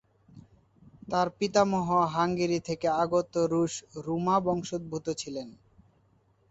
তার পিতামহ হাঙ্গেরি থেকে আগত রুশ রোমা বংশোদ্ভূত ছিলেন।